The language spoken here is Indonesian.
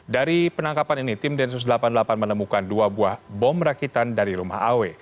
dari penangkapan ini tim densus delapan puluh delapan menemukan dua buah bom rakitan dari rumah aw